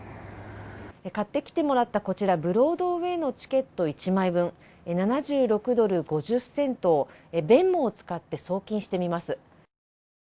買ってきてもらったこちら、ブロードウェーのチケット１枚分７６ドル５０セントをベンモを使って送金してみます。